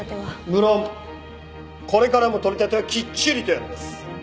無論これからも取り立てはきっちりとやります。